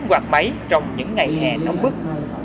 quạt máy trong những ngày hè nóng bức